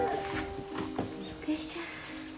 よいしょ。